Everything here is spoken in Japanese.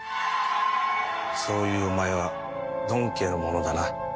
そういうお前はドン家の者だな。